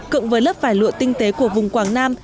cộng với lớp vải lụa tinh tế của vùng quảng nam